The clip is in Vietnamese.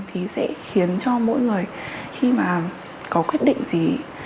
thì sẽ khiến cho mỗi người khi mà có quyết định gì